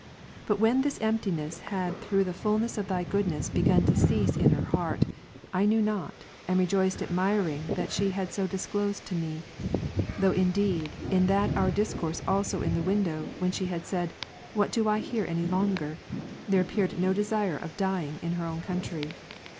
But when this emptiness had through the fulness of Thy goodness begun to cease in her heart, I knew not, and rejoiced admiring what she had so disclosed to me ; though indeed in that our discourse also in the window, when she said, " What do I here any longer V there appeared no desire of dying in her own country.